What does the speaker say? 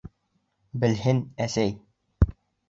Белһен, әсәй.